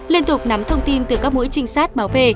liên tục nắm thông tin từ các mũi trinh sát bảo vệ